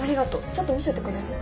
ちょっと見せてくれる？